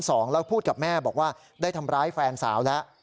แล้วพูดกับแม่บอกว่าได้ทำร้ายแฟนสาวแล้ว